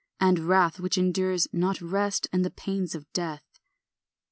And wrath which endures not rest, And the pains of death.